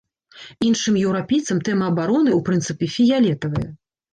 Іншым еўрапейцам тэма абароны, у прынцыпе, фіялетавая.